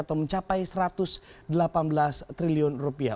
atau mencapai satu ratus delapan belas triliun rupiah